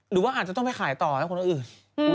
หรือว่าอาจจะต้องไปขายต่อให้คนอื่น